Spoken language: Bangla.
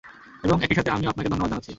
এবং, একই সাথে আমিও আপনাকে ধন্যবাদ জানাচ্ছি!